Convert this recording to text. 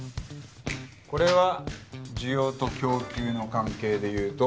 これは需要と供給の関係でいうと？